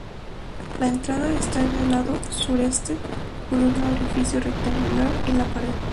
La entrada está en el lado sureste por un orificio rectangular en la pared.